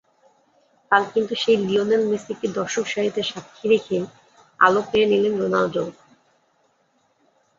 কাল কিন্তু সেই লিওনেল মেসিকে দর্শকসারিতে সাক্ষী রেখেই আলো কেড়ে নিলেন রোনালদো।